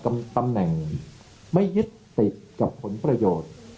และการแสดงสมบัติของแคนดิเดตนายกนะครับ